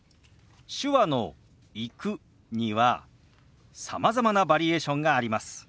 手話の「行く」にはさまざまなバリエーションがあります。